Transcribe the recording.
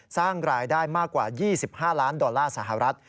สร้างรายได้มากกว่า๒๕ล้านดอลลาร์สหรัฐ